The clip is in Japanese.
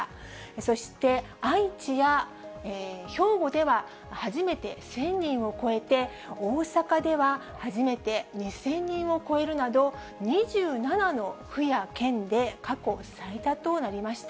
そして愛知や兵庫では、初めて１０００人を超えて、大阪では初めて２０００人を超えるなど、２７の府や県で過去最多となりました。